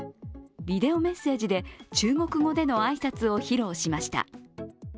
ビデオメッセージで中国語での挨拶を披露しました。